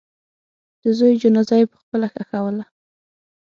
د زوی جنازه یې پخپله ښخوله.